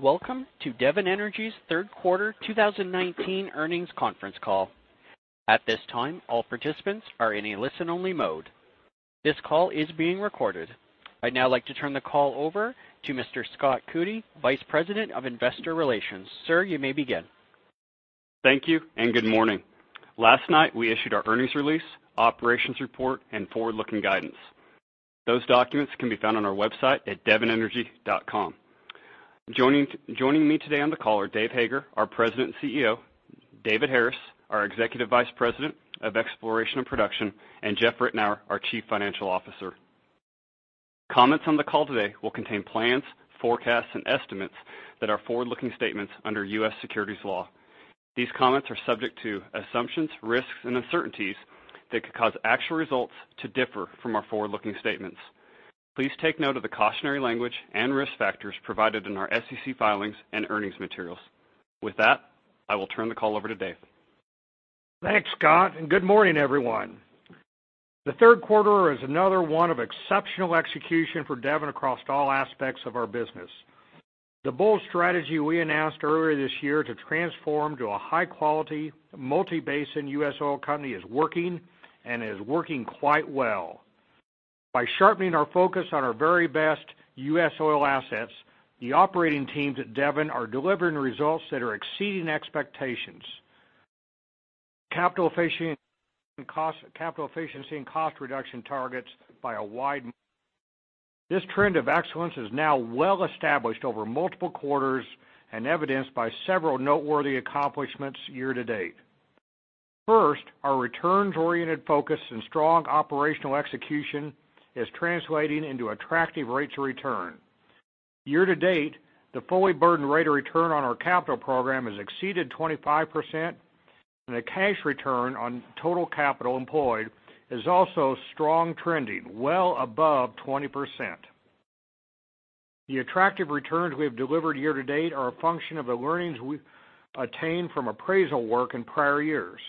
Welcome to Devon Energy's third quarter 2019 earnings conference call. At this time, all participants are in a listen-only mode. This call is being recorded. I'd now like to turn the call over to Mr. Scott Coody, Vice President of Investor Relations. Sir, you may begin. Thank you, and good morning. Last night, we issued our earnings release, operations report, and forward-looking guidance. Those documents can be found on our website at devonenergy.com. Joining me today on the call are Dave Hager, our President and CEO, David Harris, our Executive Vice President of Exploration and Production, and Jeff Ritenour, our Chief Financial Officer. Comments on the call today will contain plans, forecasts, and estimates that are forward-looking statements under U.S. securities law. These comments are subject to assumptions, risks, and uncertainties that could cause actual results to differ from our forward-looking statements. Please take note of the cautionary language and risk factors provided in our SEC filings and earnings materials. With that, I will turn the call over to Dave. Thanks, Scott, and good morning, everyone. The third quarter is another one of exceptional execution for Devon Energy across all aspects of our business. The bold strategy we announced earlier this year to transform to a high-quality, multi-basin U.S. oil company is working, and is working quite well. By sharpening our focus on our very best U.S. oil assets, the operating teams at Devon Energy are delivering results that are exceeding expectations. Capital efficiency and cost reduction targets. This trend of excellence is now well established over multiple quarters and evidenced by several noteworthy accomplishments year to date. First, our returns-oriented focus and strong operational execution is translating into attractive rates of return. Year to date, the fully burdened rate of return on our capital program has exceeded 25%, and the cash return on total capital employed is also strong trending, well above 20%. The attractive returns we have delivered year to date are a function of the learnings we've attained from appraisal work in prior years.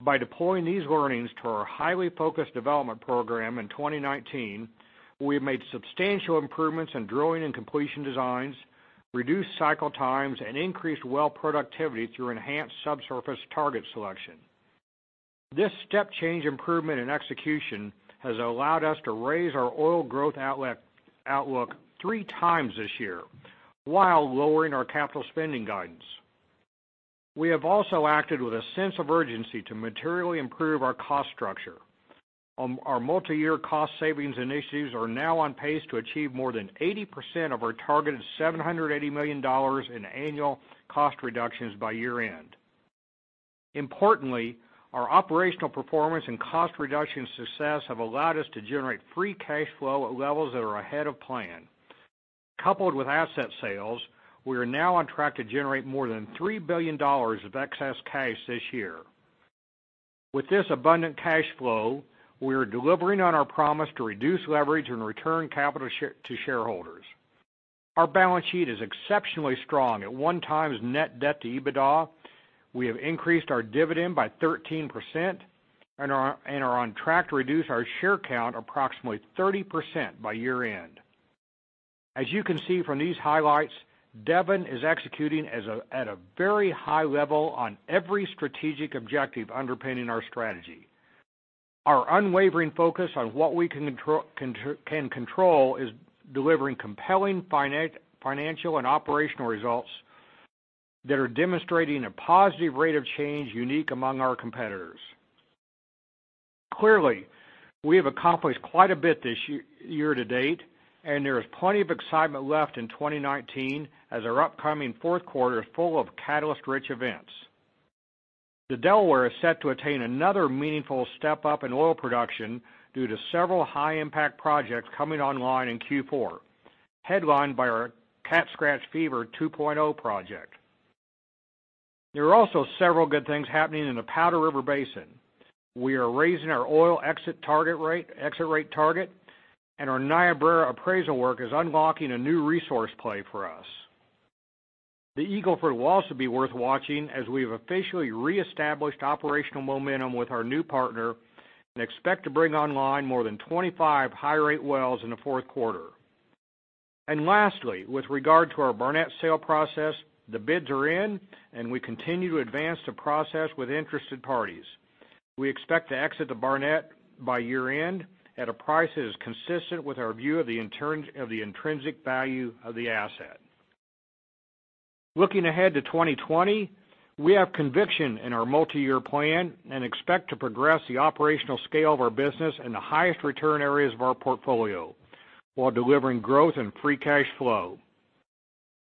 By deploying these learnings to our highly focused development program in 2019, we have made substantial improvements in drilling and completion designs, reduced cycle times, and increased well productivity through enhanced subsurface target selection. This step change improvement in execution has allowed us to raise our oil growth outlook three times this year while lowering our capital spending guidance. We have also acted with a sense of urgency to materially improve our cost structure. Our multi-year cost savings initiatives are now on pace to achieve more than 80% of our targeted $780 million in annual cost reductions by year-end. Importantly, our operational performance and cost reduction success have allowed us to generate free cash flow at levels that are ahead of plan. Coupled with asset sales, we are now on track to generate more than $3 billion of excess cash this year. With this abundant cash flow, we are delivering on our promise to reduce leverage and return capital to shareholders. Our balance sheet is exceptionally strong. At 1 times net debt to EBITDA, we have increased our dividend by 13% and are on track to reduce our share count approximately 30% by year-end. As you can see from these highlights, Devon is executing at a very high level on every strategic objective underpinning our strategy. Our unwavering focus on what we can control is delivering compelling financial and operational results that are demonstrating a positive rate of change unique among our competitors. Clearly, we have accomplished quite a bit this year to date, and there is plenty of excitement left in 2019 as our upcoming fourth quarter is full of catalyst-rich events. The Delaware is set to attain another meaningful step up in oil production due to several high-impact projects coming online in Q4, headlined by our Cat Scratch Fever 2.0 project. There are also several good things happening in the Powder River Basin. We are raising our oil exit rate target, and our Niobrara appraisal work is unlocking a new resource play for us. The Eagle Ford will also be worth watching as we've officially re-established operational momentum with our new partner and expect to bring online more than 25 high-rate wells in the fourth quarter. Lastly, with regard to our Barnett sale process, the bids are in, and we continue to advance the process with interested parties. We expect to exit the Barnett by year-end at a price that is consistent with our view of the intrinsic value of the asset. Looking ahead to 2020, we have conviction in our multi-year plan and expect to progress the operational scale of our business in the highest return areas of our portfolio, while delivering growth and free cash flow.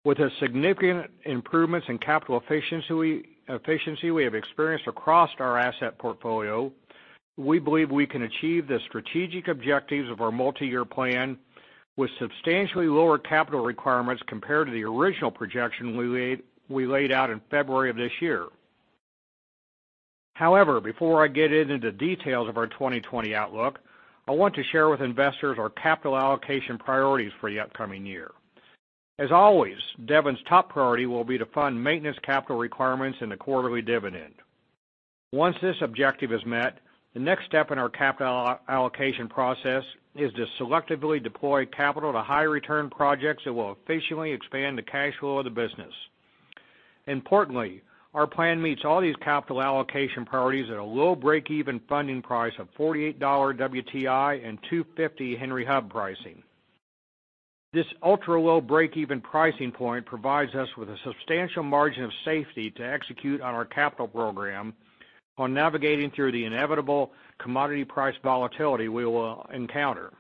With the significant improvements in capital efficiency we have experienced across our asset portfolio, we believe we can achieve the strategic objectives of our multi-year plan with substantially lower capital requirements compared to the original projection we laid out in February of this year. Before I get into the details of our 2020 outlook, I want to share with investors our capital allocation priorities for the upcoming year. As always, Devon's top priority will be to fund maintenance capital requirements and the quarterly dividend. Once this objective is met, the next step in our capital allocation process is to selectively deploy capital to high return projects that will efficiently expand the cash flow of the business. Importantly, our plan meets all these capital allocation priorities at a low break-even funding price of $48 WTI and $2.50 Henry Hub pricing. This ultra-low break-even pricing point provides us with a substantial margin of safety to execute on our capital program on navigating through the inevitable commodity price volatility we will encounter.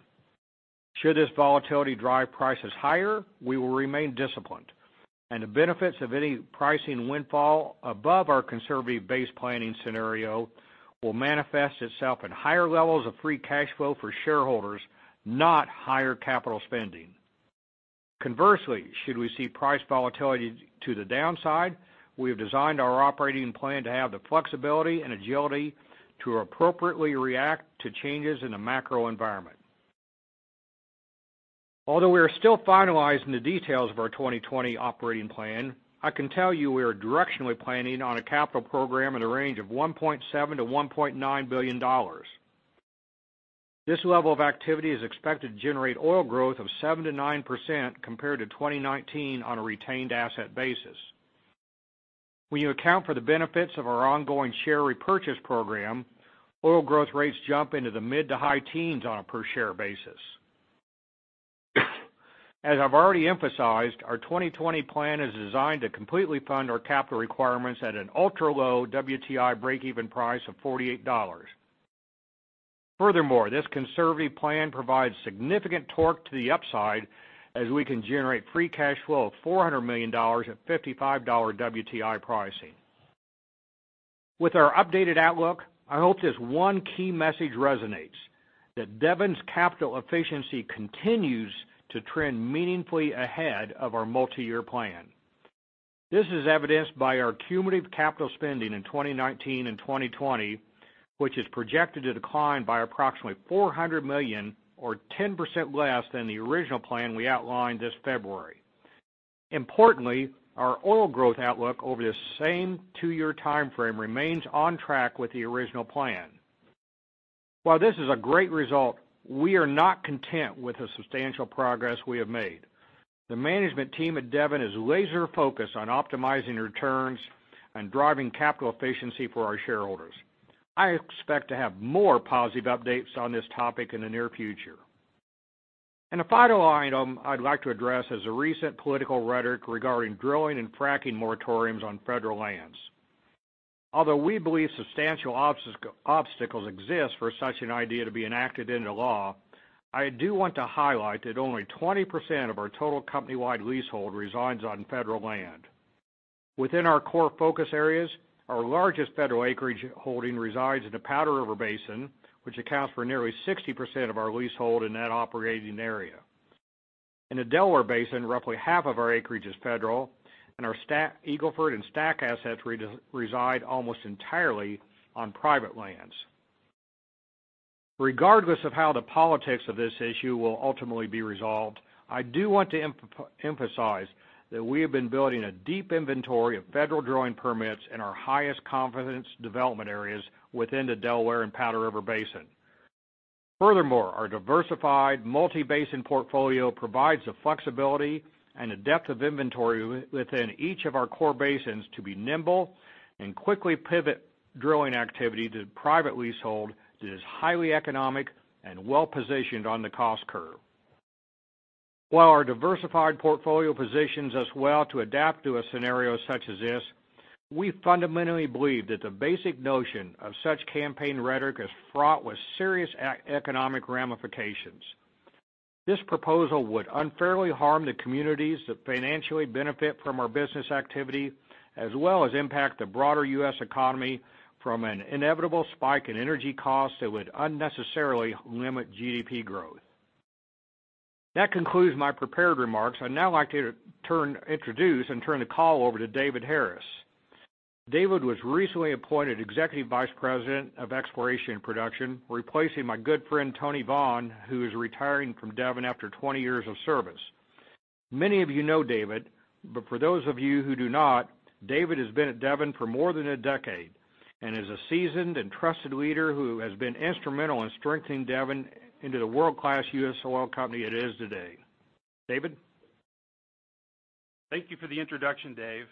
Should this volatility drive prices higher, we will remain disciplined, and the benefits of any pricing windfall above our conservative base planning scenario will manifest itself in higher levels of free cash flow for shareholders, not higher capital spending. Conversely, should we see price volatility to the downside, we have designed our operating plan to have the flexibility and agility to appropriately react to changes in the macro environment. Although we are still finalizing the details of our 2020 operating plan, I can tell you we are directionally planning on a capital program in the range of $1.7 billion-$1.9 billion. This level of activity is expected to generate oil growth of 7%-9% compared to 2019 on a retained asset basis. When you account for the benefits of our ongoing share repurchase program, oil growth rates jump into the mid to high teens on a per share basis. As I've already emphasized, our 2020 plan is designed to completely fund our capital requirements at an ultra-low WTI break-even price of $48. This conservative plan provides significant torque to the upside as we can generate free cash flow of $400 million at $55 WTI pricing. With our updated outlook, I hope this one key message resonates, that Devon's capital efficiency continues to trend meaningfully ahead of our multi-year plan. This is evidenced by our cumulative capital spending in 2019 and 2020, which is projected to decline by approximately $400 million or 10% less than the original plan we outlined this February. Importantly, our oil growth outlook over this same two-year timeframe remains on track with the original plan. This is a great result, we are not content with the substantial progress we have made. The management team at Devon is laser focused on optimizing returns and driving capital efficiency for our shareholders. I expect to have more positive updates on this topic in the near future. A final item I'd like to address is the recent political rhetoric regarding drilling and fracking moratoriums on federal lands. Although we believe substantial obstacles exist for such an idea to be enacted into law, I do want to highlight that only 20% of our total company-wide leasehold resides on federal land. Within our core focus areas, our largest federal acreage holding resides in the Powder River Basin, which accounts for nearly 60% of our leasehold in that operating area. In the Delaware Basin, roughly half of our acreage is federal, and our Eagle Ford and STACK assets reside almost entirely on private lands. Regardless of how the politics of this issue will ultimately be resolved, I do want to emphasize that we have been building a deep inventory of federal drilling permits in our highest confidence development areas within the Delaware and Powder River Basin. Furthermore, our diversified multi-basin portfolio provides the flexibility and the depth of inventory within each of our core basins to be nimble and quickly pivot drilling activity to private leasehold that is highly economic and well-positioned on the cost curve. While our diversified portfolio positions us well to adapt to a scenario such as this, we fundamentally believe that the basic notion of such campaign rhetoric is fraught with serious economic ramifications. This proposal would unfairly harm the communities that financially benefit from our business activity, as well as impact the broader U.S. economy from an inevitable spike in energy costs that would unnecessarily limit GDP growth. That concludes my prepared remarks. I'd now like to introduce and turn the call over to David Harris. David was recently appointed Executive Vice President of Exploration and Production, replacing my good friend Tony Vaughn, who is retiring from Devon after 20 years of service. Many of you know David, but for those of you who do not, David has been at Devon for more than a decade and is a seasoned and trusted leader who has been instrumental in strengthening Devon into the world-class U.S. oil company it is today. David? Thank you for the introduction, Dave.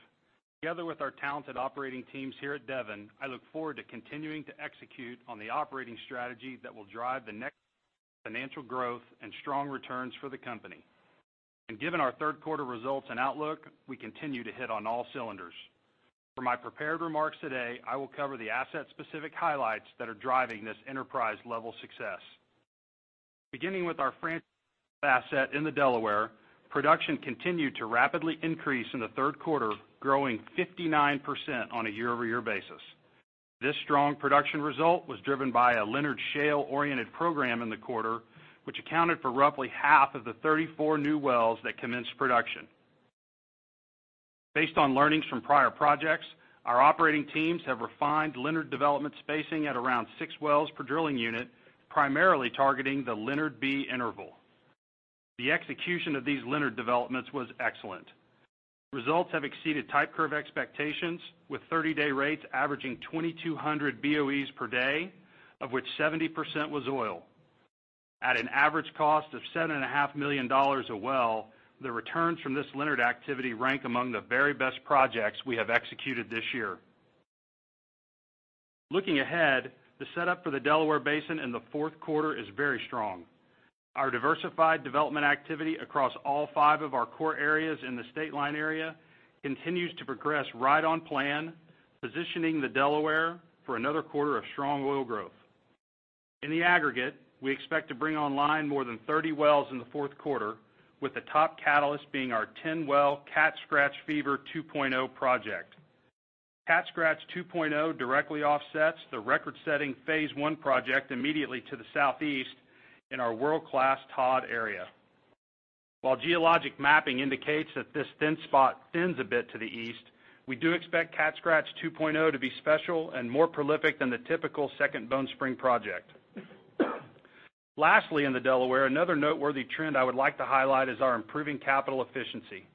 Together with our talented operating teams here at Devon, I look forward to continuing to execute on the operating strategy that will drive the next financial growth and strong returns for the company. Given our third quarter results and outlook, we continue to hit on all cylinders. For my prepared remarks today, I will cover the asset-specific highlights that are driving this enterprise-level success. Beginning with our France asset in the Delaware, production continued to rapidly increase in the third quarter, growing 59% on a year-over-year basis. This strong production result was driven by a Leonard Shale-oriented program in the quarter, which accounted for roughly half of the 34 new wells that commenced production. Based on learnings from prior projects, our operating teams have refined Leonard development spacing at around six wells per drilling unit, primarily targeting the Leonard B interval. The execution of these Leonard developments was excellent. Results have exceeded type curve expectations with 30-day rates averaging 2,200 BOEs per day, of which 70% was oil. At an average cost of $7.5 million a well, the returns from this Leonard activity rank among the very best projects we have executed this year. Looking ahead, the setup for the Delaware Basin in the fourth quarter is very strong. Our diversified development activity across all five of our core areas in the Stateline area continues to progress right on plan, positioning the Delaware for another quarter of strong oil growth. In the aggregate, we expect to bring online more than 30 wells in the fourth quarter, with the top catalyst being our 10-well Cat Scratch Fever 2.0 project. Cat Scratch 2.0 directly offsets the record-setting phase one project immediately to the southeast in our world-class Todd area. While geologic mapping indicates that this thin spot thins a bit to the east, we do expect Cat Scratch 2.0 to be special and more prolific than the typical Second Bone Spring project. Lastly, in the Delaware, another noteworthy trend I would like to highlight is our improving capital efficiency.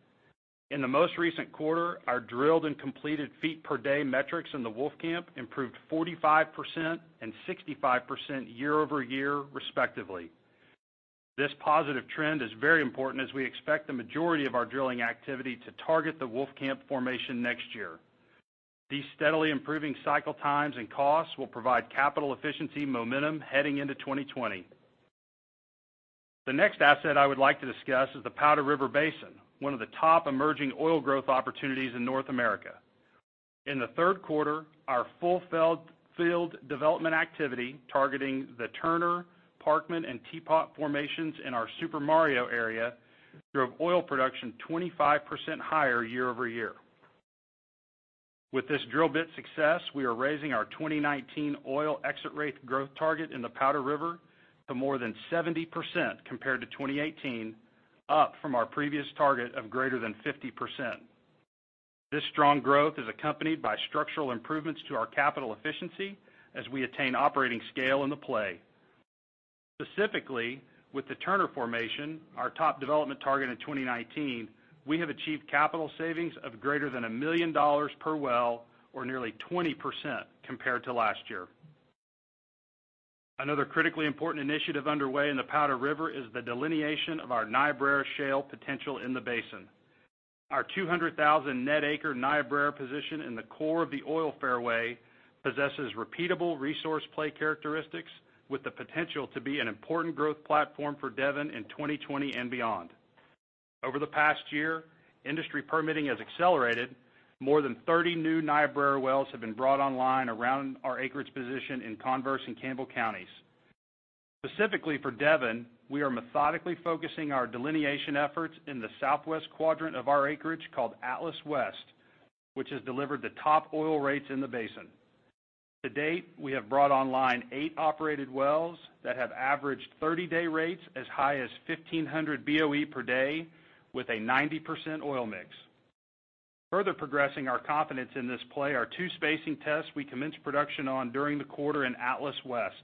In the most recent quarter, our drilled and completed feet per day metrics in the Wolfcamp improved 45% and 65% year-over-year, respectively. This positive trend is very important as we expect the majority of our drilling activity to target the Wolfcamp formation next year. These steadily improving cycle times and costs will provide capital efficiency momentum heading into 2020. The next asset I would like to discuss is the Powder River Basin, one of the top emerging oil growth opportunities in North America. In the third quarter, our full field development activity, targeting the Turner, Parkman, and Teapot formations in our Super Mario area, drove oil production 25% higher year-over-year. With this drill bit success, we are raising our 2019 oil exit rate growth target in the Powder River to more than 70% compared to 2018, up from our previous target of greater than 50%. This strong growth is accompanied by structural improvements to our capital efficiency as we attain operating scale in the play. Specifically, with the Turner formation, our top development target in 2019, we have achieved capital savings of greater than $1 million per well or nearly 20% compared to last year. Another critically important initiative underway in the Powder River is the delineation of our Niobrara Shale potential in the basin. Our 200,000 net acre Niobrara position in the core of the oil fairway possesses repeatable resource play characteristics with the potential to be an important growth platform for Devon in 2020 and beyond. Over the past year, industry permitting has accelerated. More than 30 new Niobrara wells have been brought online around our acreage position in Converse and Campbell Counties. Specifically for Devon, we are methodically focusing our delineation efforts in the southwest quadrant of our acreage, called Atlas West, which has delivered the top oil rates in the basin. To date, we have brought online eight operated wells that have averaged 30-day rates as high as 1,500 BOE per day with a 90% oil mix. Further progressing our confidence in this play are two spacing tests we commenced production on during the quarter in Atlas West.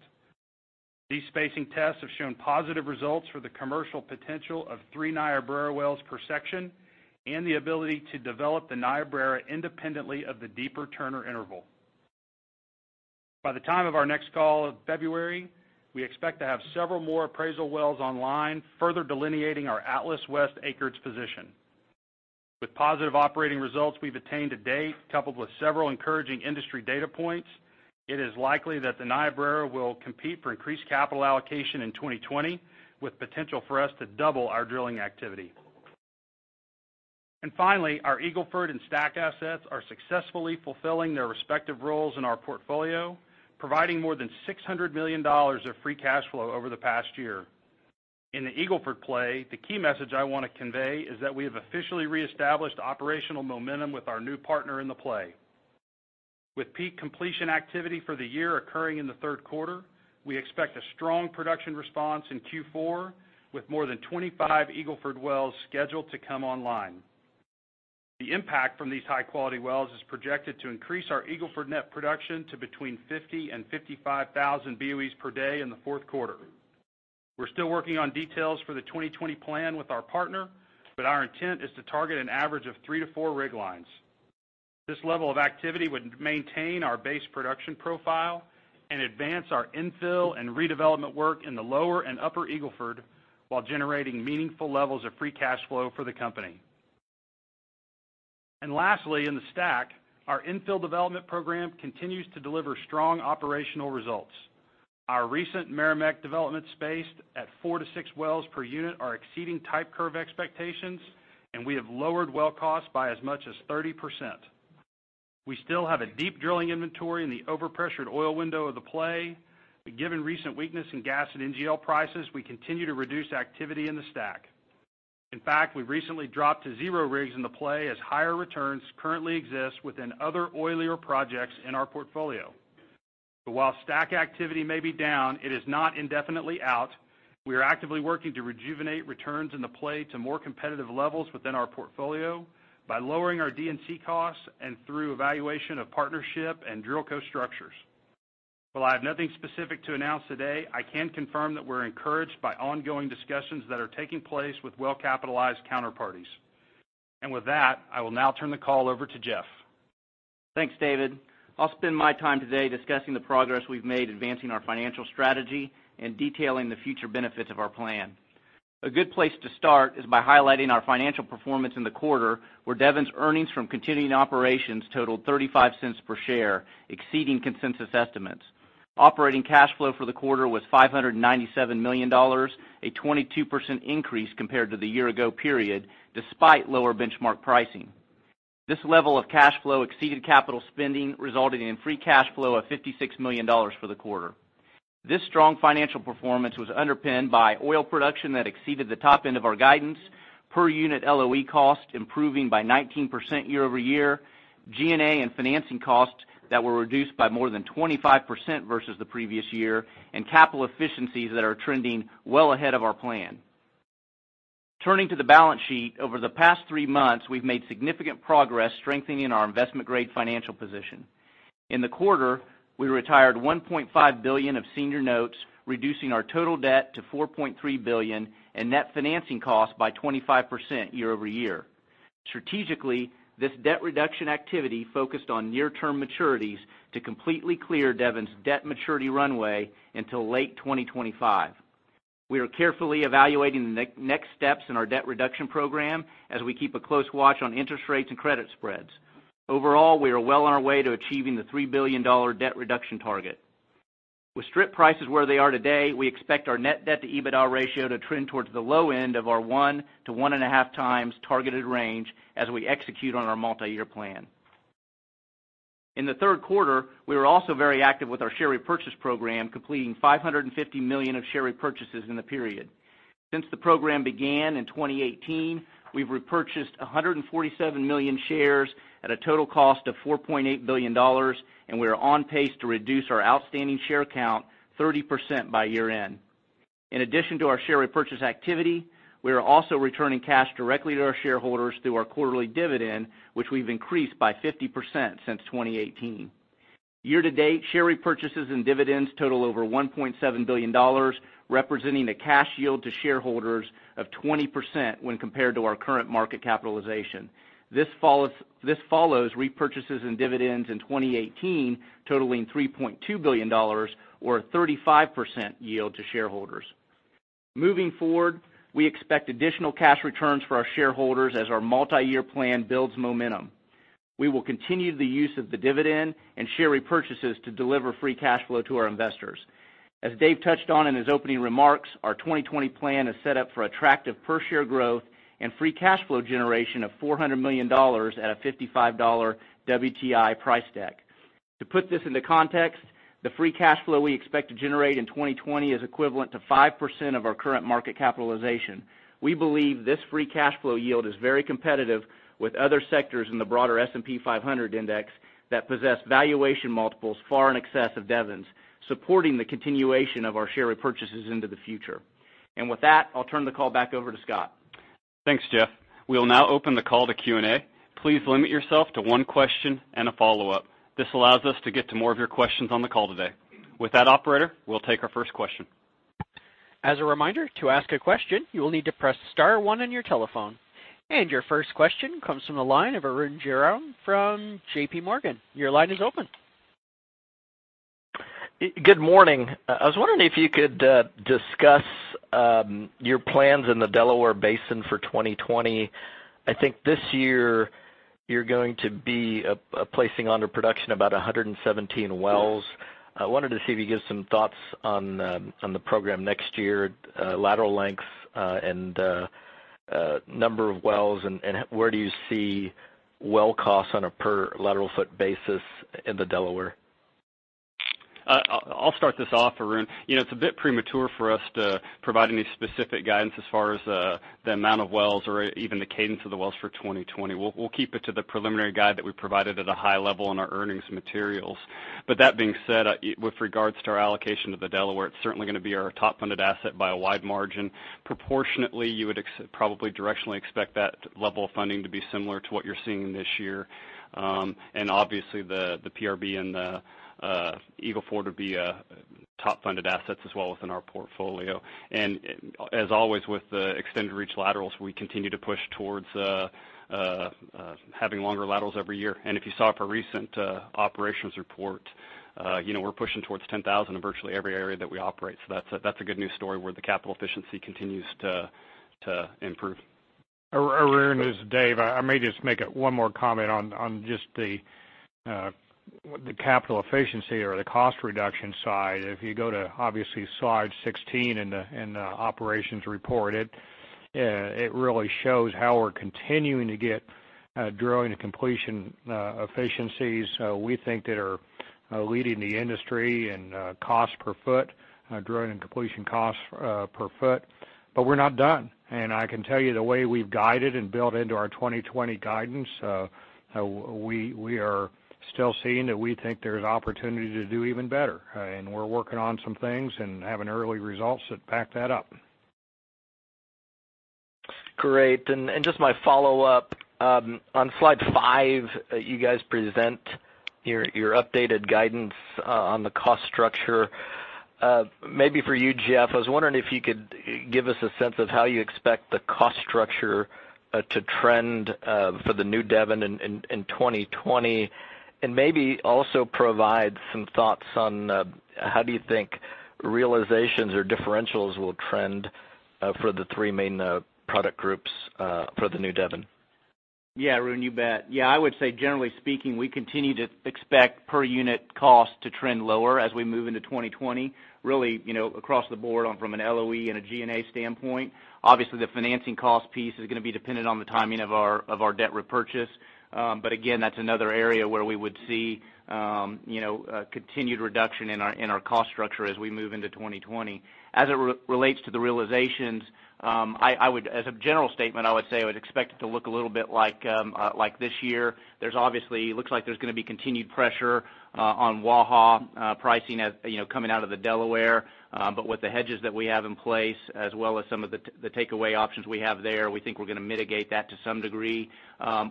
These spacing tests have shown positive results for the commercial potential of three Niobrara wells per section and the ability to develop the Niobrara independently of the deeper Turner interval. By the time of our next call of February, we expect to have several more appraisal wells online, further delineating our Atlas West acreage position. With positive operating results we've attained to date, coupled with several encouraging industry data points, it is likely that the Niobrara will compete for increased capital allocation in 2020, with potential for us to double our drilling activity. Finally, our Eagle Ford and STACK assets are successfully fulfilling their respective roles in our portfolio, providing more than $600 million of free cash flow over the past year. In the Eagle Ford play, the key message I want to convey is that we have officially reestablished operational momentum with our new partner in the play. With peak completion activity for the year occurring in the third quarter, we expect a strong production response in Q4, with more than 25 Eagle Ford wells scheduled to come online. The impact from these high-quality wells is projected to increase our Eagle Ford net production to between 50,000 and 55,000 BOEs per day in the fourth quarter. We're still working on details for the 2020 plan with our partner, our intent is to target an average of three to four rig lines. This level of activity would maintain our base production profile and advance our infill and redevelopment work in the Lower Eagle Ford and Upper Eagle Ford while generating meaningful levels of free cash flow for the company. Lastly, in the STACK, our infill development program continues to deliver strong operational results. Our recent Meramec development spaced at 4 to 6 wells per unit are exceeding type curve expectations. We have lowered well costs by as much as 30%. We still have a deep drilling inventory in the overpressured oil window of the play. Given recent weakness in gas and NGL prices, we continue to reduce activity in the STACK. In fact, we recently dropped to zero rigs in the play as higher returns currently exist within other oilier projects in our portfolio. While STACK activity may be down, it is not indefinitely out. We are actively working to rejuvenate returns in the play to more competitive levels within our portfolio by lowering our D&C costs and through evaluation of partnership and DrillCo structures. While I have nothing specific to announce today, I can confirm that we're encouraged by ongoing discussions that are taking place with well-capitalized counterparties. With that, I will now turn the call over to Jeff. Thanks, David. I'll spend my time today discussing the progress we've made advancing our financial strategy and detailing the future benefits of our plan. A good place to start is by highlighting our financial performance in the quarter, where Devon's earnings from continuing operations totaled $0.35 per share, exceeding consensus estimates. Operating cash flow for the quarter was $597 million, a 22% increase compared to the year-ago period, despite lower benchmark pricing. This level of cash flow exceeded capital spending, resulting in free cash flow of $56 million for the quarter. This strong financial performance was underpinned by oil production that exceeded the top end of our guidance, per unit LOE cost improving by 19% year-over-year, G&A and financing costs that were reduced by more than 25% versus the previous year, and capital efficiencies that are trending well ahead of our plan. Turning to the balance sheet, over the past three months, we've made significant progress strengthening our investment-grade financial position. In the quarter, we retired $1.5 billion of senior notes, reducing our total debt to $4.3 billion, and net financing costs by 25% year-over-year. Strategically, this debt reduction activity focused on near-term maturities to completely clear Devon's debt maturity runway until late 2025. We are carefully evaluating the next steps in our debt reduction program as we keep a close watch on interest rates and credit spreads. Overall, we are well on our way to achieving the $3 billion debt reduction target. With strip prices where they are today, we expect our net debt to EBITDA ratio to trend towards the low end of our one to one and a half times targeted range as we execute on our multi-year plan. In the third quarter, we were also very active with our share repurchase program, completing $550 million of share repurchases in the period. Since the program began in 2018, we've repurchased 147 million shares at a total cost of $4.8 billion. We are on pace to reduce our outstanding share count 30% by year-end. In addition to our share repurchase activity, we are also returning cash directly to our shareholders through our quarterly dividend, which we've increased by 50% since 2018. Year to date, share repurchases and dividends total over $1.7 billion, representing a cash yield to shareholders of 20% when compared to our current market capitalization. This follows repurchases and dividends in 2018 totaling $3.2 billion, or a 35% yield to shareholders. Moving forward, we expect additional cash returns for our shareholders as our multi-year plan builds momentum. We will continue the use of the dividend and share repurchases to deliver free cash flow to our investors. As Dave touched on in his opening remarks, our 2020 plan is set up for attractive per-share growth and free cash flow generation of $400 million at a $55 WTI price deck. To put this into context, the free cash flow we expect to generate in 2020 is equivalent to 5% of our current market capitalization. We believe this free cash flow yield is very competitive with other sectors in the broader S&P 500 index that possess valuation multiples far in excess of Devon's, supporting the continuation of our share repurchases into the future. With that, I'll turn the call back over to Scott. Thanks, Jeff. We'll now open the call to Q&A. Please limit yourself to one question and a follow-up. This allows us to get to more of your questions on the call today. With that, operator, we'll take our first question. As a reminder, to ask a question, you will need to press star one on your telephone. Your first question comes from the line of Arun Jayaram from J.P. Morgan. Your line is open. Good morning. I was wondering if you could discuss your plans in the Delaware Basin for 2020. I think this year you're going to be placing under production about 117 wells. I wanted to see if you could give some thoughts on the program next year, lateral lengths, and number of wells, and where do you see well costs on a per lateral foot basis in the Delaware? I'll start this off, Arun. It's a bit premature for us to provide any specific guidance as far as the amount of wells or even the cadence of the wells for 2020. We'll keep it to the preliminary guide that we provided at a high level in our earnings materials. That being said, with regards to our allocation of the Delaware, it's certainly going to be our top-funded asset by a wide margin. Proportionately, you would probably directionally expect that level of funding to be similar to what you're seeing this year. Obviously, the PRB and the Eagle Ford would be top-funded assets as well within our portfolio. As always, with the extended reach laterals, we continue to push towards having longer laterals every year. If you saw our recent operations report, we're pushing towards 10,000 in virtually every area that we operate. That's a good news story where the capital efficiency continues to improve. Arun, this is Dave. I may just make one more comment on just the capital efficiency or the cost reduction side. If you go to, obviously, slide 16 in the operations report, it really shows how we're continuing to get drilling and completion efficiencies we think that are leading the industry in cost per foot, drilling and completion cost per foot. We're not done. I can tell you the way we've guided and built into our 2020 guidance, we are still seeing that we think there's opportunity to do even better, and we're working on some things and having early results that back that up. Great. Just my follow-up. On slide five, you guys present your updated guidance on the cost structure. Maybe for you, Jeff, I was wondering if you could give us a sense of how you expect the cost structure to trend for the new Devon in 2020, and maybe also provide some thoughts on how do you think realizations or differentials will trend for the three main product groups for the new Devon? Yeah, Arun, you bet. Yeah, I would say generally speaking, we continue to expect per unit cost to trend lower as we move into 2020, really across the board from an LOE and a G&A standpoint. Obviously, the financing cost piece is going to be dependent on the timing of our debt repurchase. Again, that's another area where we would see continued reduction in our cost structure as we move into 2020. As it relates to the realizations, as a general statement, I would say, I would expect it to look a little bit like this year. It looks like there's going to be continued pressure on Waha pricing coming out of the Delaware. With the hedges that we have in place, as well as some of the takeaway options we have there, we think we're going to mitigate that to some degree.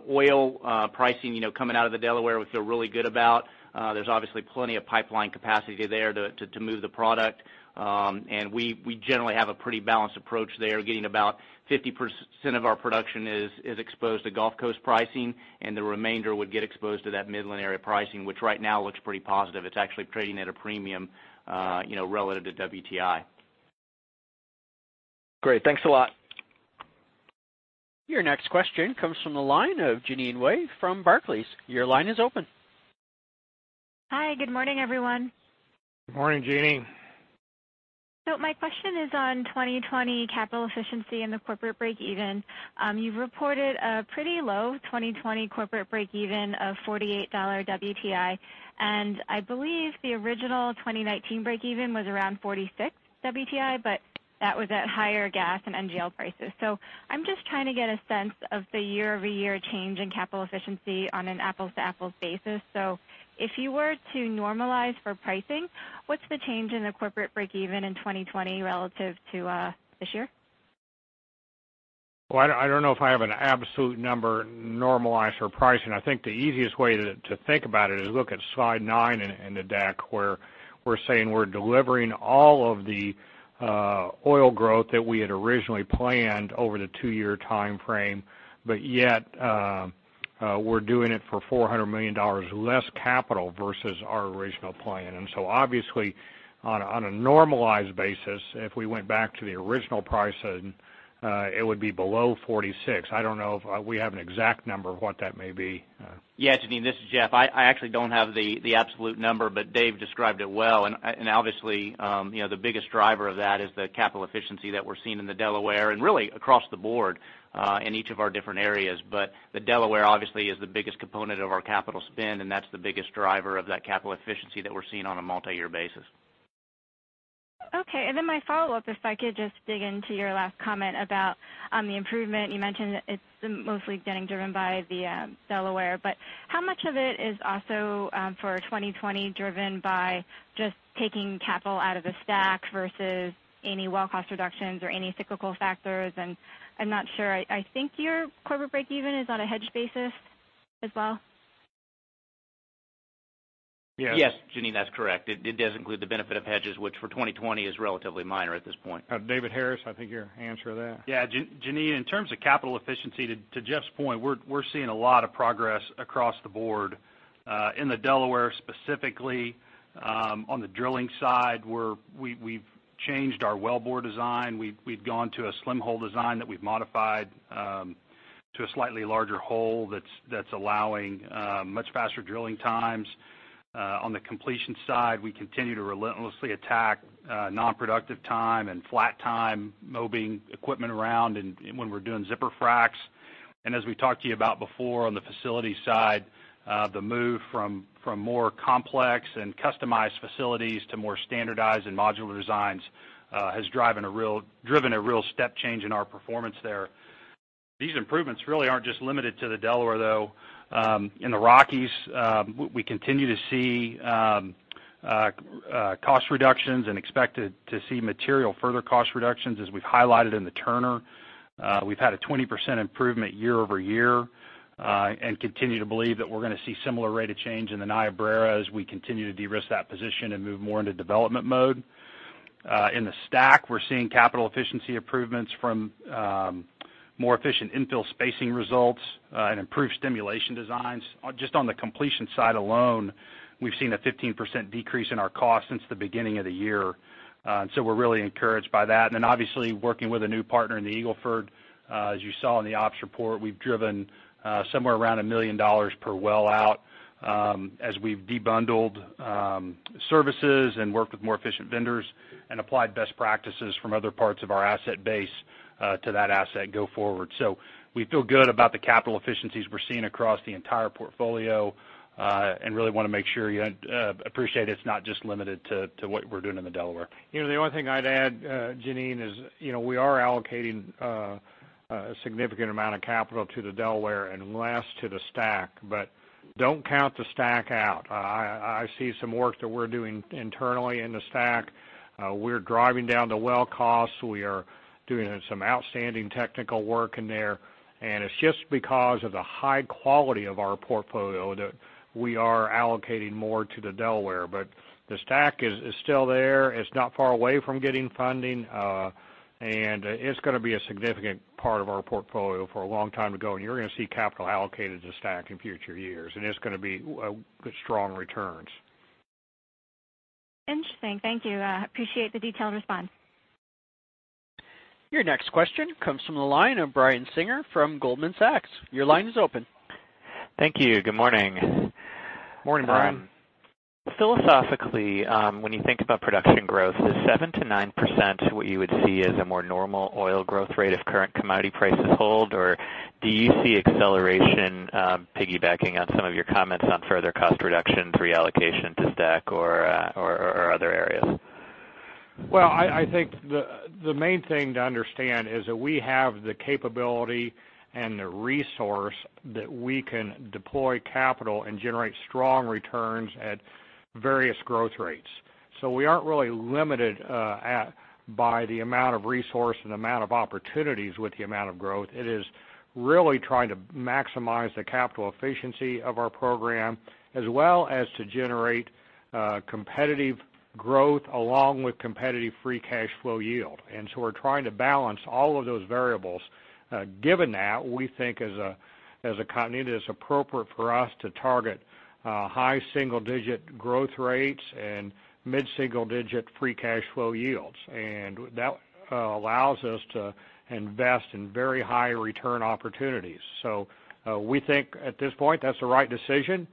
Oil pricing coming out of the Delaware, we feel really good about. There's obviously plenty of pipeline capacity there to move the product. We generally have a pretty balanced approach there, getting about 50% of our production is exposed to Gulf Coast pricing, and the remainder would get exposed to that Midland area pricing, which right now looks pretty positive. It's actually trading at a premium relative to WTI. Great, thanks a lot. Your next question comes from the line of Jeanine Wai from Barclays. Your line is open. Hi, good morning, everyone. Good morning, Jeanine. My question is on 2020 capital efficiency and the corporate breakeven. You've reported a pretty low 2020 corporate breakeven of $48 WTI, and I believe the original 2019 breakeven was around $46 WTI, but that was at higher gas and NGL prices. I'm just trying to get a sense of the year-over-year change in capital efficiency on an apples-to-apples basis. If you were to normalize for pricing, what's the change in the corporate breakeven in 2020 relative to this year? Well, I don't know if I have an absolute number normalized for pricing. I think the easiest way to think about it is look at slide nine in the deck, where we're saying we're delivering all of the oil growth that we had originally planned over the two-year timeframe. Yet, we're doing it for $400 million less capital versus our original plan. Obviously, on a normalized basis, if we went back to the original pricing, it would be below 46. I don't know if we have an exact number of what that may be. Yeah, Jeanine, this is Jeff. I actually don't have the absolute number, but Dave described it well. Obviously, the biggest driver of that is the capital efficiency that we're seeing in the Delaware Basin, and really across the board in each of our different areas. The Delaware Basin obviously is the biggest component of our capital spend, and that's the biggest driver of that capital efficiency that we're seeing on a multi-year basis. Okay, then my follow-up, if I could just dig into your last comment about the improvement. You mentioned that it's mostly getting driven by the Delaware. How much of it is also for 2020 driven by just taking capital out of the STACK versus any well cost reductions or any cyclical factors? I'm not sure, I think your corporate breakeven is on a hedged basis as well? Yes, Jeannine, that's correct. It does include the benefit of hedges, which for 2020 is relatively minor at this point. David Harris, I think your answer to that. Yeah, Jeannine, in terms of capital efficiency, to Jeff's point, we're seeing a lot of progress across the board. In the Delaware specifically, on the drilling side, we've changed our wellbore design. We've gone to a slim hole design that we've modified to a slightly larger hole that's allowing much faster drilling times. On the completion side, we continue to relentlessly attack non-productive time and flat time, mobbing equipment around when we're doing zipper fracs. As we talked to you about before on the facility side, the move from more complex and customized facilities to more standardized and modular designs has driven a real step change in our performance there. These improvements really aren't just limited to the Delaware, though. In the Rockies, we continue to see cost reductions and expect to see material further cost reductions, as we've highlighted in the Turner. We've had a 20% improvement year-over-year, continue to believe that we're going to see similar rate of change in the Niobrara as we continue to de-risk that position and move more into development mode. In the STACK, we're seeing capital efficiency improvements from more efficient infill spacing results and improved stimulation designs. Just on the completion side alone, we've seen a 15% decrease in our cost since the beginning of the year. We're really encouraged by that. Obviously, working with a new partner in the Eagle Ford. As you saw in the ops report, we've driven somewhere around $1 million per well out as we've de-bundled services and worked with more efficient vendors, and applied best practices from other parts of our asset base to that asset go forward. We feel good about the capital efficiencies we're seeing across the entire portfolio, and really want to make sure you appreciate it's not just limited to what we're doing in the Delaware. The only thing I'd add, Jeannine, is we are allocating a significant amount of capital to the Delaware, less to the STACK, don't count the STACK out. I see some work that we're doing internally in the STACK. We're driving down the well costs. We are doing some outstanding technical work in there. It's just because of the high quality of our portfolio that we are allocating more to the Delaware. The STACK is still there. It's not far away from getting funding. It's going to be a significant part of our portfolio for a long time to go, and you're going to see capital allocated to STACK in future years, and it's going to be strong returns. Interesting. Thank you. Appreciate the detailed response. Your next question comes from the line of Brian Singer from Goldman Sachs. Your line is open. Thank you. Good morning. Morning, Brian. Philosophically, when you think about production growth, is 7%-9% what you would see as a more normal oil growth rate if current commodity prices hold? Do you see acceleration piggybacking on some of your comments on further cost reductions, reallocation to STACK or other areas? Well, I think the main thing to understand is that we have the capability and the resource that we can deploy capital and generate strong returns at various growth rates. We aren't really limited by the amount of resource and amount of opportunities with the amount of growth. It is really trying to maximize the capital efficiency of our program, as well as to generate competitive growth along with competitive free cash flow yield. We're trying to balance all of those variables. Given that, we think as a company, that it's appropriate for us to target high single-digit growth rates and mid-single-digit free cash flow yields. That allows us to invest in very high return opportunities. We think at this point that's the right decision.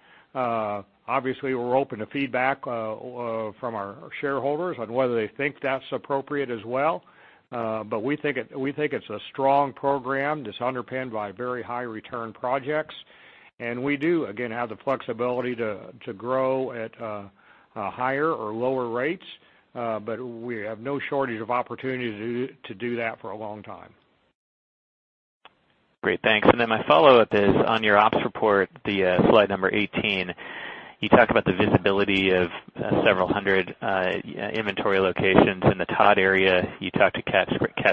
Obviously, we're open to feedback from our shareholders on whether they think that's appropriate as well. We think it's a strong program that's underpinned by very high return projects. We do, again, have the flexibility to grow at higher or lower rates. We have no shortage of opportunities to do that for a long time. Great. Thanks. My follow-up is on your ops report, the slide number 18, you talk about the visibility of several hundred inventory locations in the Todd area. You talked to Cat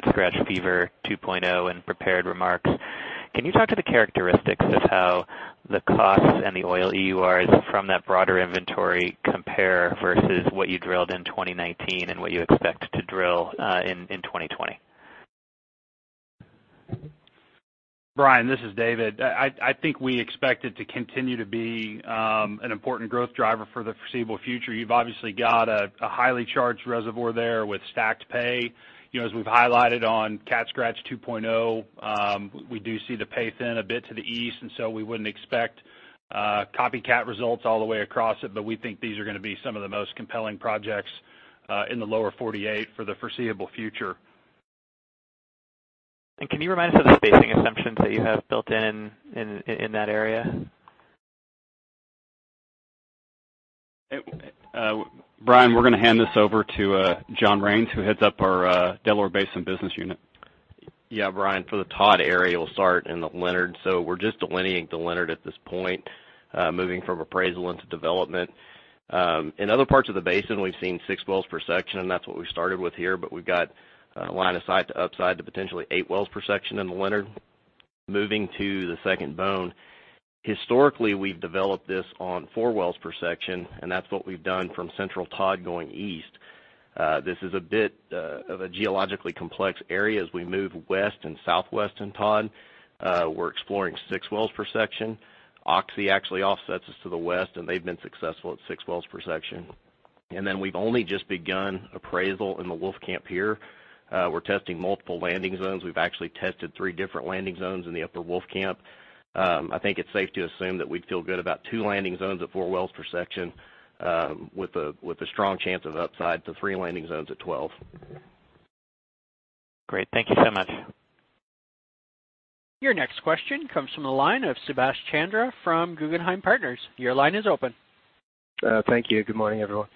Scratch Fever 2.0 in prepared remarks. Can you talk to the characteristics of how the costs and the oil EURs from that broader inventory compare versus what you drilled in 2019 and what you expect to drill in 2020? Brian, this is David. I think we expect it to continue to be an important growth driver for the foreseeable future. You've obviously got a highly charged reservoir there with stacked pay. As we've highlighted on Cat Scratch 2.0, we do see the pay thin a bit to the east, and so we wouldn't expect copycat results all the way across it, but we think these are going to be some of the most compelling projects in the lower 48 for the foreseeable future. Can you remind us of the spacing assumptions that you have built in that area? Brian, we're going to hand this over to John Raines, who heads up our Delaware Basin business unit. Yeah, Brian, for the Todd area, we'll start in the Leonard. We're just delineating the Leonard at this point, moving from appraisal into development. In other parts of the basin, we've seen 6 wells per section, and that's what we started with here, but we've got line of sight to upside to potentially 8 wells per section in the Leonard. Moving to the Second Bone. Historically, we've developed this on 4 wells per section, and that's what we've done from central Todd going east. This is a bit of a geologically complex area. As we move west and southwest in Todd, we're exploring 6 wells per section. Oxy actually offsets us to the west, and they've been successful at 6 wells per section. We've only just begun appraisal in the Wolfcamp here. We're testing multiple landing zones. We've actually tested three different landing zones in the upper Wolfcamp. I think it's safe to assume that we'd feel good about two landing zones at four wells per section, with a strong chance of upside to three landing zones at 12. Great. Thank you so much. Your next question comes from the line of Subash Chandra from Guggenheim Partners. Your line is open. Thank you. Good morning, everyone.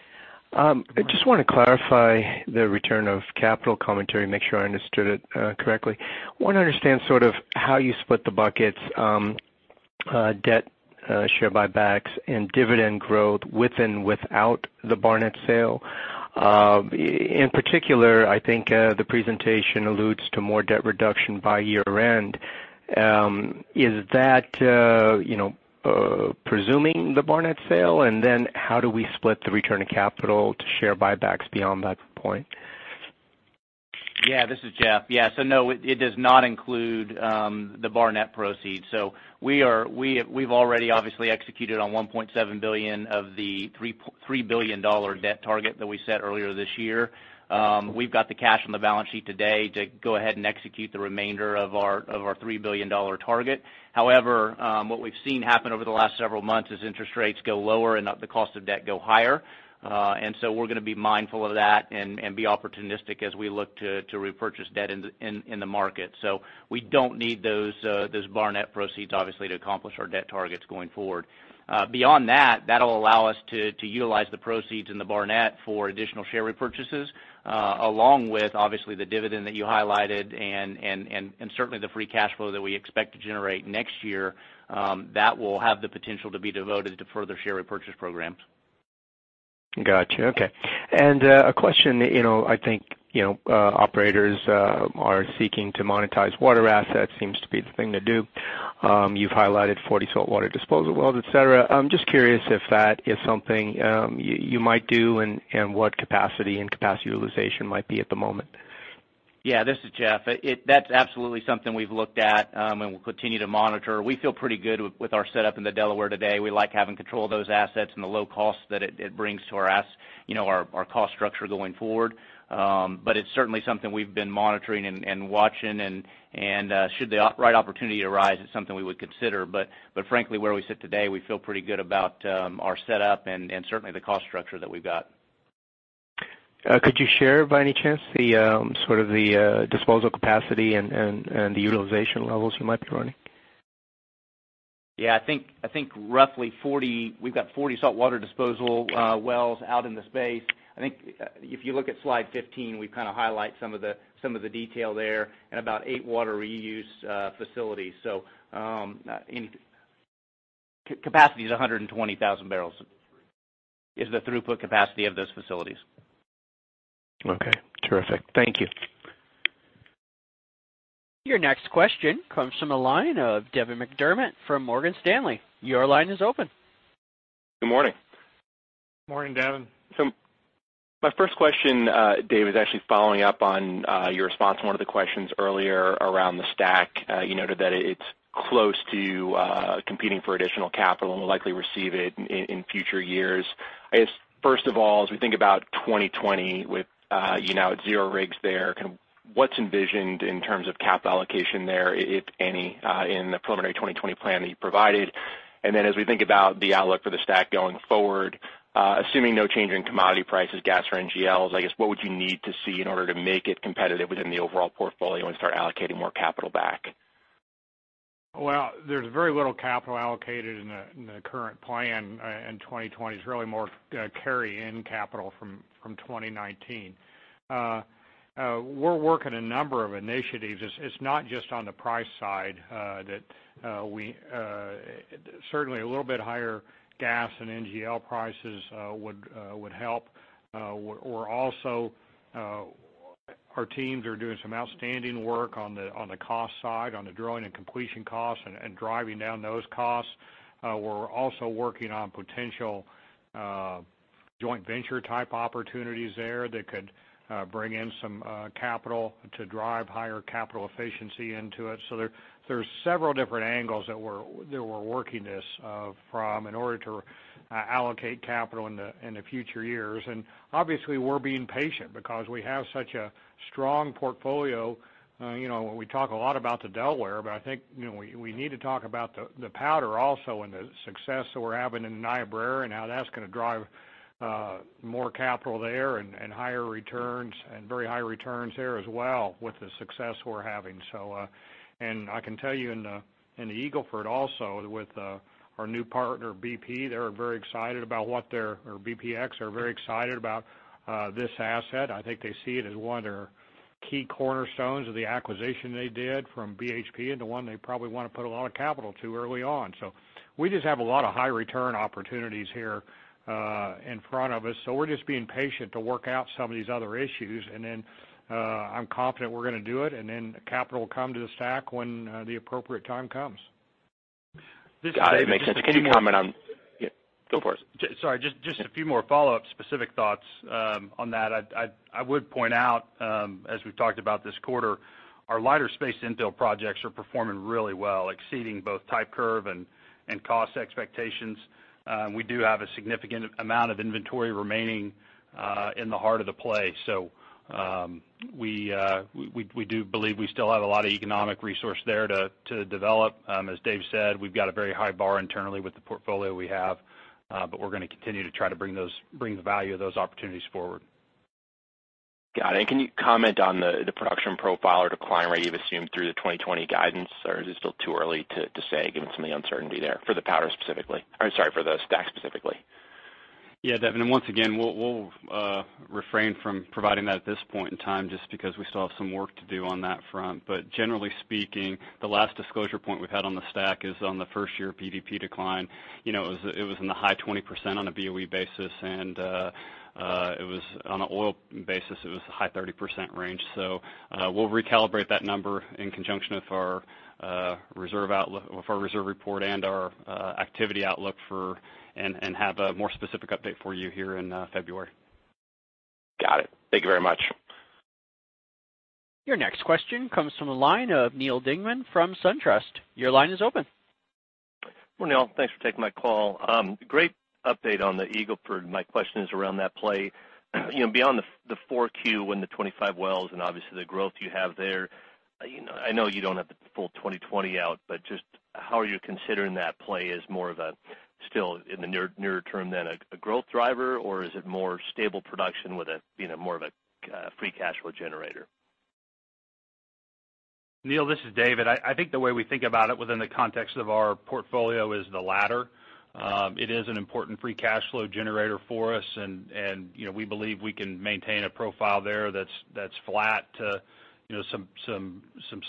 I just want to clarify the return of capital commentary, make sure I understood it correctly. Want to understand sort of how you split the buckets, debt share buybacks, and dividend growth with and without the Barnett sale. In particular, I think the presentation alludes to more debt reduction by year-end. Is that presuming the Barnett sale? How do we split the return of capital to share buybacks beyond that point? Yeah, this is Jeff. Yeah. No, it does not include the Barnett proceeds. We've already obviously executed on $1.7 billion of the $3 billion debt target that we set earlier this year. We've got the cash on the balance sheet today to go ahead and execute the remainder of our $3 billion target. However, what we've seen happen over the last several months is interest rates go lower and the cost of debt go higher. We're going to be mindful of that and be opportunistic as we look to repurchase debt in the market. We don't need those Barnett proceeds, obviously, to accomplish our debt targets going forward. Beyond that'll allow us to utilize the proceeds in the Barnett for additional share repurchases, along with, obviously, the dividend that you highlighted and certainly the free cash flow that we expect to generate next year. That will have the potential to be devoted to further share repurchase programs. Got you. Okay. A question, I think, operators are seeking to monetize water assets, seems to be the thing to do. You've highlighted 40 saltwater disposal wells, et cetera. I'm just curious if that is something you might do and what capacity and capacity utilization might be at the moment. Yeah, this is Jeff. That's absolutely something we've looked at, and we'll continue to monitor. We feel pretty good with our setup in the Delaware today. We like having control of those assets and the low cost that it brings to our cost structure going forward. It's certainly something we've been monitoring and watching, and should the right opportunity arise, it's something we would consider. Frankly, where we sit today, we feel pretty good about our setup and certainly the cost structure that we've got. Could you share, by any chance, the sort of the disposal capacity and the utilization levels you might be running? Yeah, I think we've got 40 saltwater disposal wells out in the space. I think if you look at slide 15, we kind of highlight some of the detail there and about eight water reuse facilities. Capacity is 120,000 barrels, is the throughput capacity of those facilities. Okay, terrific. Thank you. Your next question comes from the line of Devin McDermott from Morgan Stanley. Your line is open. Good morning. Morning, Devon. My first question, Dave, is actually following up on your response to one of the questions earlier around the STACK. You noted that it's close to competing for additional capital and will likely receive it in future years. I guess, first of all, as we think about 2020 with zero rigs there, what's envisioned in terms of cap allocation there, if any, in the preliminary 2020 plan that you provided? As we think about the outlook for the STACK going forward, assuming no change in commodity prices, gas or NGLs, I guess, what would you need to see in order to make it competitive within the overall portfolio and start allocating more capital back? Well, there's very little capital allocated in the current plan in 2020. It's really more carry-in capital from 2019. We're working a number of initiatives. It's not just on the price side certainly a little bit higher gas and NGL prices would help. Our teams are doing some outstanding work on the cost side, on the drilling and completion costs, and driving down those costs. We're also working on potential joint venture type opportunities there that could bring in some capital to drive higher capital efficiency into it. There's several different angles that we're working this from in order to allocate capital in the future years. Obviously, we're being patient because we have such a strong portfolio. We talk a lot about the Delaware, but I think we need to talk about the Powder also, and the success that we're having in Niobrara, and how that's going to drive more capital there and higher returns and very high returns there as well with the success we're having. I can tell you in the Eagle Ford also with our new partner, BP, they're very excited about what their or BPX, are very excited about this asset. I think they see it as one of their key cornerstones of the acquisition they did from BHP into one they probably want to put a lot of capital to early on. We just have a lot of high return opportunities here in front of us. We're just being patient to work out some of these other issues. I'm confident we're going to do it, and then capital will come to the STACK when the appropriate time comes. Dave, can you comment on? Got it. Makes sense. Go for it. Sorry, just a few more follow-up specific thoughts on that. I would point out, as we've talked about this quarter, our lighter space infill projects are performing really well, exceeding both type curve and cost expectations. We do have a significant amount of inventory remaining in the heart of the play. We do believe we still have a lot of economic resource there to develop. As Dave said, we've got a very high bar internally with the portfolio we have, but we're going to continue to try to bring the value of those opportunities forward. Got it. Can you comment on the production profile or decline rate you've assumed through the 2020 guidance? Is it still too early to say, given some of the uncertainty there for the Powder or sorry, for the STACK specifically? Yeah, Devon, once again, we'll refrain from providing that at this point in time just because we still have some work to do on that front. Generally speaking, the last disclosure point we've had on the STACK is on the first-year PDP decline. It was in the high 20% on a BOE basis, and it was on an oil basis, it was a high 30% range. We'll recalibrate that number in conjunction with our reserve report and our activity outlook and have a more specific update for you here in February. Got it. Thank you very much. Your next question comes from the line of Neal Dingmann from SunTrust. Your line is open. Well, Neal, thanks for taking my call. Great update on the Eagle Ford. My question is around that play. Beyond the four Q and the 25 wells, and obviously the growth you have there, I know you don't have the full 2020 out, just how are you considering that play as more of a still in the nearer term than a growth driver? Is it more stable production with more of a free cash flow generator? Neal, this is David. I think the way we think about it within the context of our portfolio is the latter. It is an important free cash flow generator for us, and we believe we can maintain a profile there that's flat to some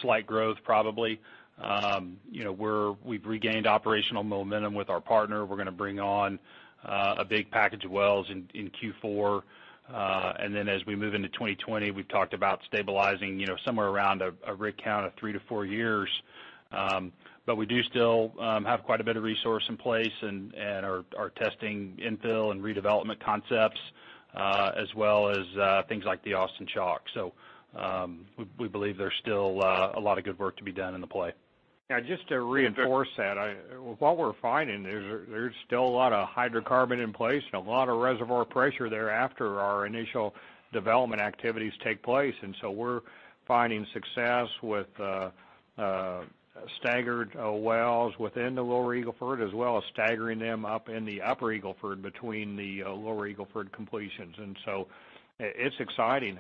slight growth probably. We've regained operational momentum with our partner. We're going to bring on a big package of wells in Q4. As we move into 2020, we've talked about stabilizing somewhere around a rig count of 3 to 4 years. We do still have quite a bit of resource in place and are testing infill and redevelopment concepts, as well as things like the Austin Chalk. We believe there's still a lot of good work to be done in the play. Yeah, just to reinforce that, what we're finding is there's still a lot of hydrocarbon in place and a lot of reservoir pressure there after our initial development activities take place. We're finding success with staggered wells within the Lower Eagle Ford, as well as staggering them up in the Upper Eagle Ford between the Lower Eagle Ford completions. It's exciting.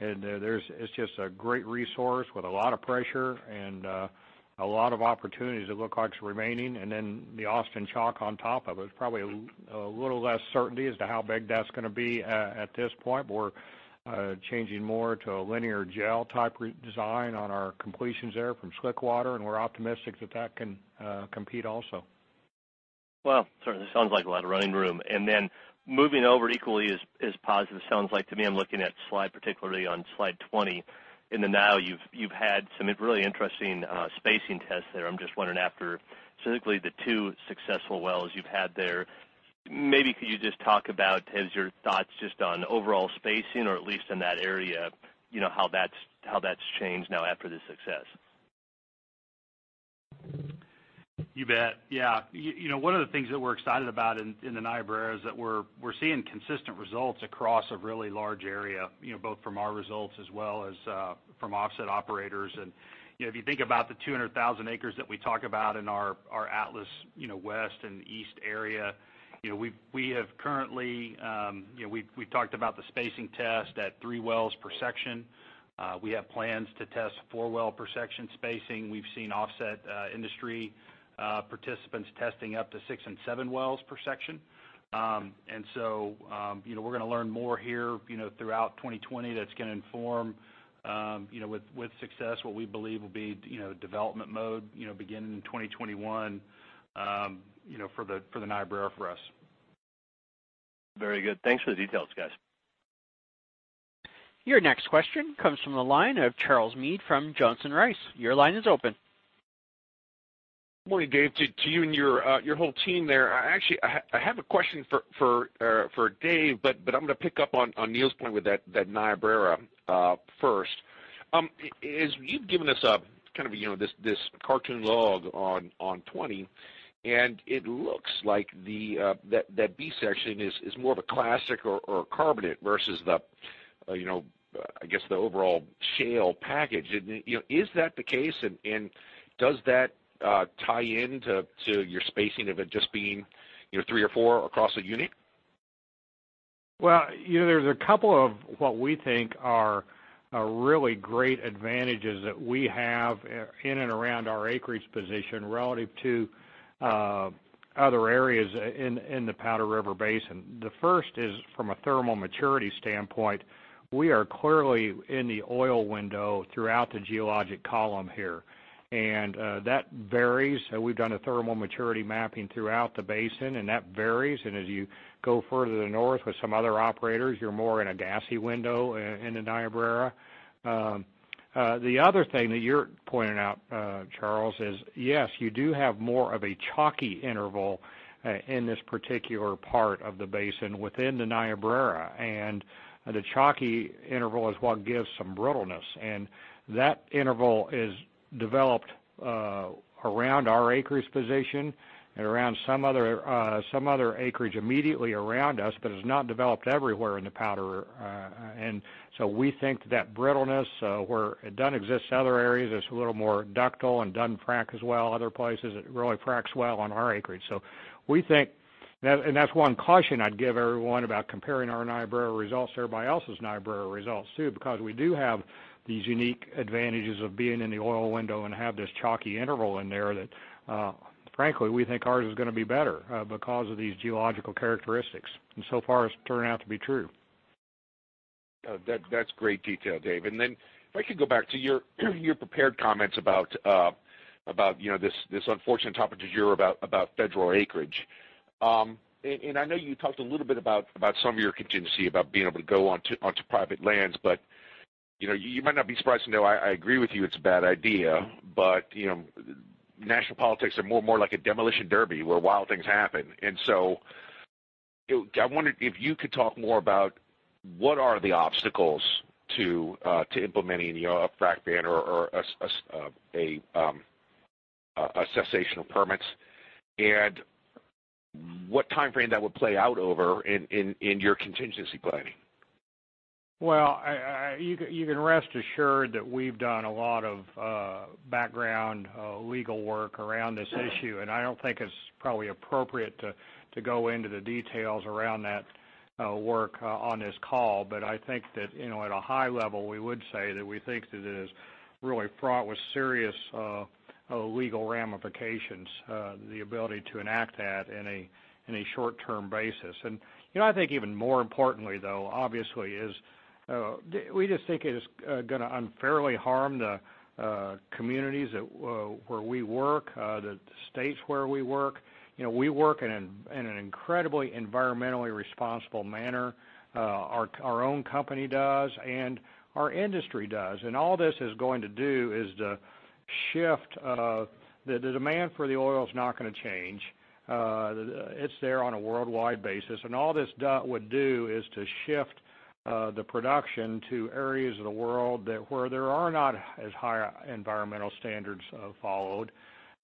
It's just a great resource with a lot of pressure and a lot of opportunities that look like it's remaining, and then the Austin Chalk on top of it. It's probably a little less certainty as to how big that's going to be at this point. We're changing more to a linear gel type design on our completions there from slickwater, and we're optimistic that that can compete also. Certainly sounds like a lot of running room. Moving over equally as positive sounds like to me, I'm looking at slide, particularly on slide 20. In the Niobrara, you've had some really interesting spacing tests there. I'm just wondering after specifically the two successful wells you've had there, maybe could you just talk about, as your thoughts just on overall spacing or at least in that area, how that's changed now after this success? You bet. Yeah. One of the things that we're excited about in the Niobrara is that we're seeing consistent results across a really large area, both from our results as well as from offset operators. If you think about the 200,000 acres that we talk about in our Atlas West and East area, we've talked about the spacing test at three wells per section. We have plans to test four well per section spacing. We've seen offset industry participants testing up to six and seven wells per section. So, we're going to learn more here throughout 2020 that's going to inform, with success, what we believe will be development mode beginning in 2021 for the Niobrara for us. Very good. Thanks for the details, guys. Your next question comes from the line of Charles Meade from Johnson Rice. Your line is open. Morning, Dave, to you and your whole team there. Actually, I have a question for Dave, but I'm going to pick up on Neal's point with that Niobrara first. You've given us this cartoon log on 20, and it looks like that B section is more of a classic or a carbonate versus, I guess, the overall shale package. Is that the case, and does that tie in to your spacing of it just being three or four across a unit? Well, there's a couple of what we think are really great advantages that we have in and around our acreage position relative to other areas in the Powder River Basin. The first is from a thermal maturity standpoint. We are clearly in the oil window throughout the geologic column here, and that varies. We've done a thermal maturity mapping throughout the basin, and that varies, and as you go further north with some other operators, you're more in a gassy window in the Niobrara. The other thing that you're pointing out, Charles, is yes, you do have more of a chalky interval in this particular part of the basin within the Niobrara, and the chalky interval is what gives some brittleness. That interval is developed around our acreage position and around some other acreage immediately around us, but is not developed everywhere in the Powder River. We think that brittleness where it doesn't exist in other areas, it's a little more ductile and doesn't frack as well other places. It really fracks well on our acreage. That's one caution I'd give everyone about comparing our Niobrara results to everybody else's Niobrara results too, because we do have these unique advantages of being in the oil window and have this chalky interval in there that, frankly, we think ours is going to be better because of these geological characteristics, and so far, it's turning out to be true. That's great detail, Dave. If I could go back to your prepared comments about this unfortunate topic du jour about federal acreage. I know you talked a little bit about some of your contingency about being able to go onto private lands, but you might not be surprised to know I agree with you, it's a bad idea, but national politics are more and more like a demolition derby where wild things happen. I wondered if you could talk more about what are the obstacles to implementing a frack ban or a cessational permits. What time frame that would play out over in your contingency planning? Well, you can rest assured that we've done a lot of background legal work around this issue, and I don't think it's probably appropriate to go into the details around that work on this call. I think that, at a high level, we would say that we think that it is really fraught with serious legal ramifications, the ability to enact that in a short-term basis. I think even more importantly, though, obviously, is we just think it is going to unfairly harm the communities where we work, the states where we work. We work in an incredibly environmentally responsible manner. Our own company does, and our industry does. All this is going to do is to shift the demand for the oil is not going to change. It's there on a worldwide basis. All this would do is to shift the production to areas of the world that where there are not as high environmental standards followed.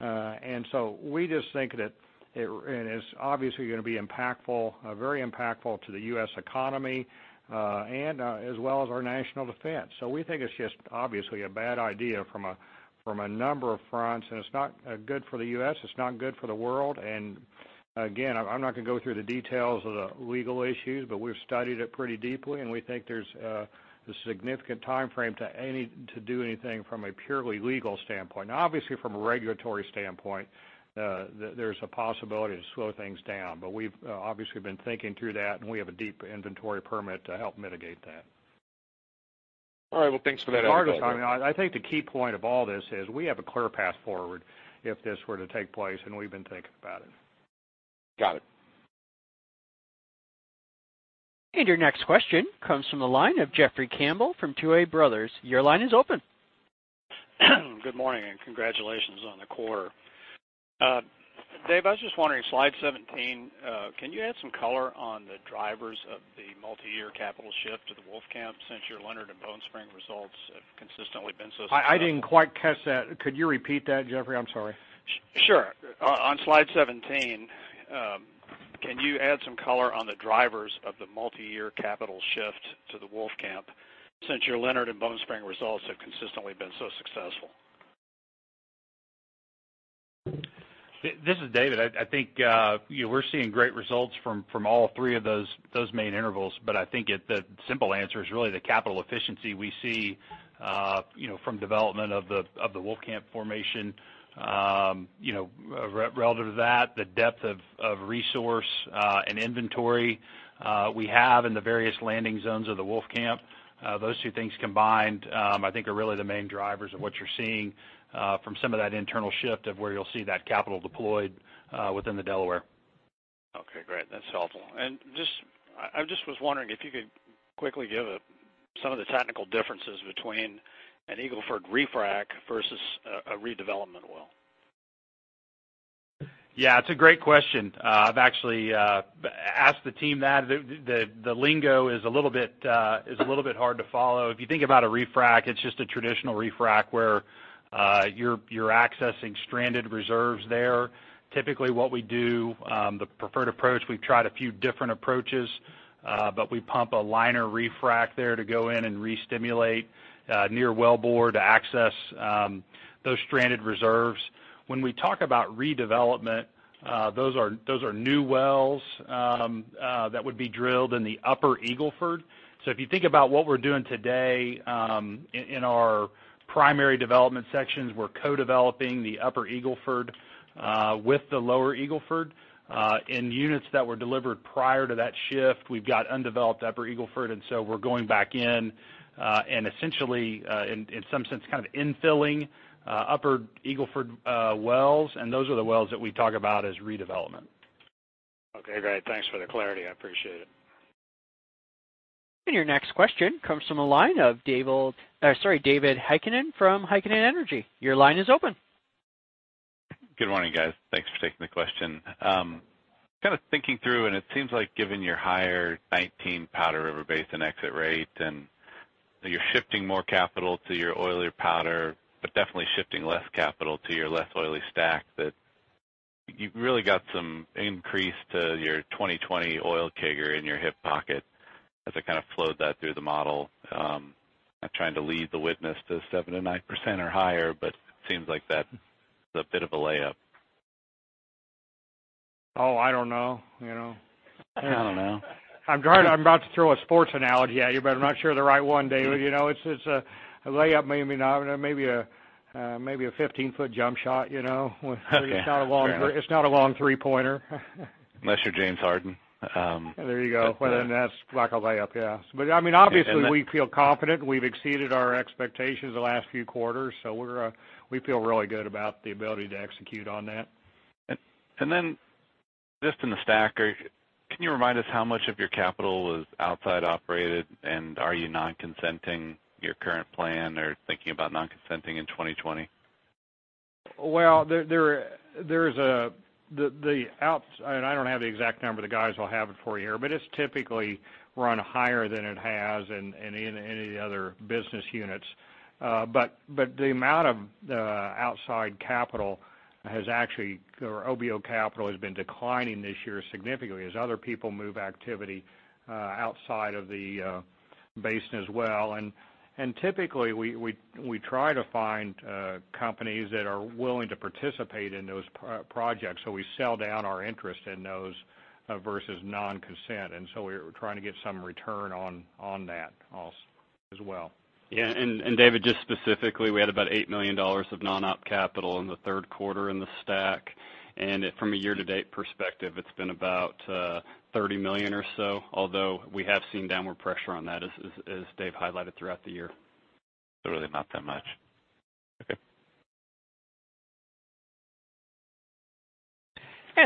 We just think that it is obviously going to be very impactful to the U.S. economy, and as well as our national defense. We think it's just obviously a bad idea from a number of fronts, and it's not good for the U.S., it's not good for the world. Again, I'm not going to go through the details of the legal issues, but we've studied it pretty deeply, and we think there's a significant time frame to do anything from a purely legal standpoint. Now, obviously, from a regulatory standpoint, there's a possibility to slow things down. We've obviously been thinking through that, and we have a deep inventory permit to help mitigate that. All right. Well, thanks for that info. I think the key point of all this is we have a clear path forward if this were to take place, and we've been thinking about it. Got it. Your next question comes from the line of Jeffrey Campbell from Tuohy Brothers. Your line is open. Good morning, and congratulations on the quarter. Dave, I was just wondering, slide 17, can you add some color on the drivers of the multi-year capital shift to the Wolfcamp since your Leonard and Bone Spring results have consistently been so successful? I didn't quite catch that. Could you repeat that, Jeffrey? I'm sorry. Sure. On slide 17, can you add some color on the drivers of the multi-year capital shift to the Wolfcamp, since your Leonard and Bone Spring results have consistently been so successful? This is David. I think we're seeing great results from all three of those main intervals. I think the simple answer is really the capital efficiency we see from development of the Wolfcamp formation. Relative to that, the depth of resource and inventory we have in the various landing zones of the Wolfcamp. Those two things combined I think are really the main drivers of what you're seeing from some of that internal shift of where you'll see that capital deployed within the Delaware. Okay, great. That's helpful. I just was wondering if you could quickly give some of the technical differences between an Eagle Ford refrac versus a redevelopment well. Yeah, it's a great question. I've actually asked the team that. The lingo is a little bit hard to follow. If you think about a refrac, it's just a traditional refrac where you're accessing stranded reserves there. Typically, what we do, the preferred approach, we've tried a few different approaches. We pump a liner refrac there to go in and restimulate near wellbore to access those stranded reserves. When we talk about redevelopment, those are new wells that would be drilled in the Upper Eagle Ford. If you think about what we're doing today in our primary development sections, we're co-developing the Upper Eagle Ford with the Lower Eagle Ford. In units that were delivered prior to that shift, we've got undeveloped Upper Eagle Ford. We're going back in. Essentially, in some sense, kind of infilling Upper Eagle Ford wells. Those are the wells that we talk about as redevelopment. Okay, great. Thanks for the clarity. I appreciate it. Your next question comes from the line of David Heikkinen from Heikkinen Energy. Your line is open. Good morning, guys. Thanks for taking the question. Kind of thinking through, it seems like given your higher 2019 Powder River Basin exit rate, you're shifting more capital to your oilier Powder, but definitely shifting less capital to your less oily STACK, that you've really got some increase to your 2020 oil figure in your hip pocket as I kind of flowed that through the model. Not trying to lead the witness to 7%-9% or higher, it seems like that's a bit of a layup. Oh, I don't know. I don't know. I'm about to throw a sports analogy at you, but I'm not sure the right one, David. It's a layup, maybe not. Maybe a 15-foot jump shot. Okay. Fair enough. It's not a long three-pointer. Unless you're James Harden. There you go. Well, that's like a layup, yes. Obviously, we feel confident. We've exceeded our expectations the last few quarters. We feel really good about the ability to execute on that. Just in the STACK, can you remind us how much of your capital is outside operated, and are you non-consenting your current plan or thinking about non-consenting in 2020? Well, I don't have the exact number. The guys will have it for you here, but it's typically run higher than it has in any of the other business units. The amount of OBO capital has been declining this year significantly as other people move activity outside of the basin as well. Typically, we try to find companies that are willing to participate in those projects, so we sell down our interest in those versus non-consent. We're trying to get some return on that as well. Yeah, David, just specifically, we had about $8 million of non-op capital in the third quarter in the STACK. From a year-to-date perspective, it's been about $30 million or so, although we have seen downward pressure on that, as Dave highlighted throughout the year. Really not that much. Okay.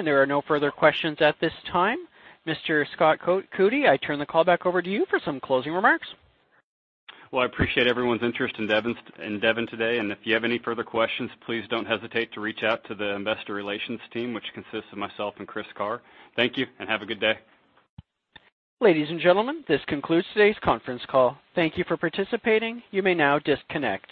There are no further questions at this time. Mr. Scott Coody, I turn the call back over to you for some closing remarks. Well, I appreciate everyone's interest in Devon today, and if you have any further questions, please don't hesitate to reach out to the investor relations team, which consists of myself and Chris Carr. Thank you, and have a good day. Ladies and gentlemen, this concludes today's conference call. Thank you for participating. You may now disconnect.